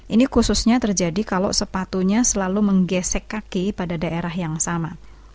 ini khususnya terjadi kalau sepatunya selalu menggesek kaki pada daerah yang sama